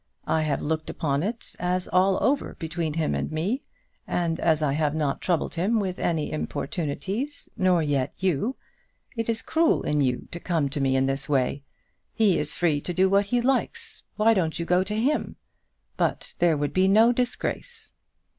I have looked upon it as all over between him and me; and as I have not troubled him with any importunities, nor yet you, it is cruel in you to come to me in this way. He is free to do what he likes why don't you go to him? But there would be no disgrace."